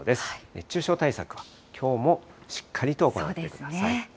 熱中症対策はきょうもしっかりと行ってください。